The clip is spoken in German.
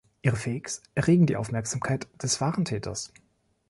Ihre Fakes erregen die Aufmerksamkeit des wahren Täters.